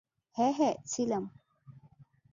হ্যাঁ, হ্যাঁ, ছিলাম।